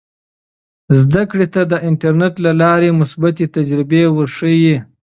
زده کړې ته د انټرنیټ له لارې مثبتې تجربې ورښیي.